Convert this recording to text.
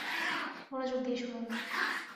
মনোযোগ দিয়ে শুনুন।